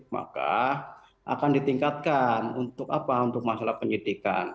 maka akan ditingkatkan untuk apa untuk masalah penyidikan